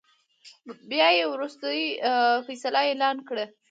بيا يې ورورستۍ فيصله اعلان کړه .